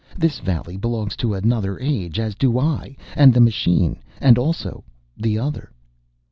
This valley belongs to another age, as do I and the machine, and also the Other."